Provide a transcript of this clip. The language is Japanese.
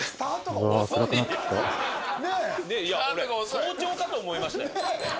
早朝かと思いましたよ。